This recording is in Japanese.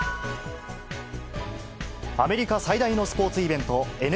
アメリカ最大のスポーツイベント